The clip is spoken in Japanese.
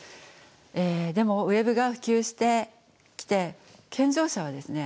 でもＷｅｂが普及してきて健常者はですね